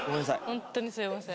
ホントにすみません。